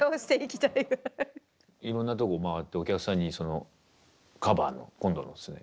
いろんなとこ回ってお客さんにそのカヴァーの今度のですね